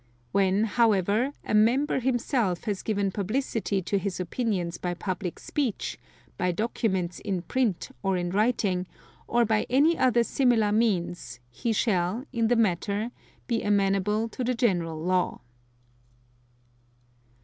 When, however, a Member himself has given publicity to his opinions by public speech, by documents in print or in writing, or by any other similar means, he shall, in the matter, be amenable to the general law.